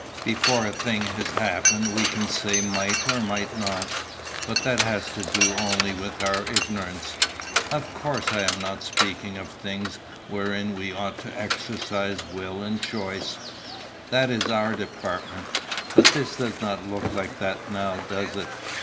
Before a thing has happened we can say might or might not; but that has to do only with our ignorance. Of course I am not speaking of things wherein we ought to exercise will and choice. That is our department. But this does not look like that now, does it?